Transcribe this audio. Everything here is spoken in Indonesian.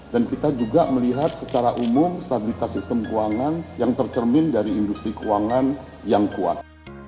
dan kita juga melihat secara umum stabilitas sistem keuangan yang tercermin dari industri keuangan yang kuat